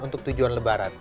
untuk tujuan lebaran